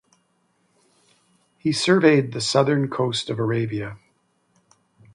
He surveyed the southern coast of Arabia.